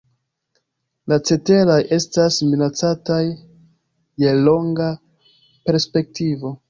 La ceteraj estas minacataj je longa perspektivo.